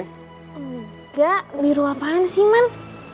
enggak biru apaan sih man